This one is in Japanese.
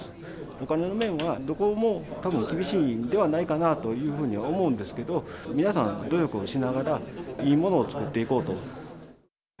お金の面は、たぶんどこも厳しいのではないかと思うんですけれども、皆さん努力をしながら、いいものを作っていこうと。